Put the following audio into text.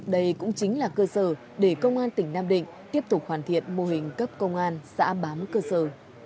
đây cũng chính là cơ sở để công an tỉnh nam định tiếp tục hoàn thiện mô hình cấp công an xã bám cơ sở